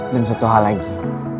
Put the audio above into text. dan satu hal lagi